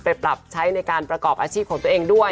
ปรับใช้ในการประกอบอาชีพของตัวเองด้วย